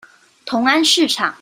同安市場